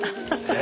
え！